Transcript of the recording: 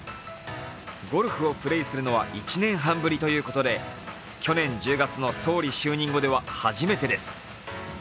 ゴルフをプレーするのは１年半ぶりということで去年１０月の総理就任後では初めてです。